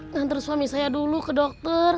ngantar suami saya dulu ke dokter